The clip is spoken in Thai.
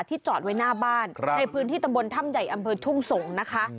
จอดไว้หน้าบ้านในพื้นที่ตำบลถ้ำใหญ่อำเภอทุ่งสงศ์นะคะ